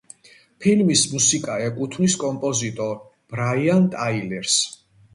ფილმის მუსიკა ეკუთვნის კომპოზიტორ ბრაიან ტაილერს.